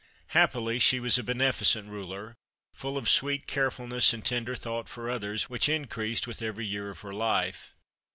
Happily she was a beneficent ruler, full of sweet carefulness and tender thought for others, which increased with every year of her life.